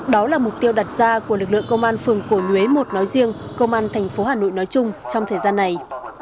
đó là mục tiêu đặt ra của lực lượng công an phường cổ nhuế một nói riêng công an thành phố hà nội nói chung trong thời gian này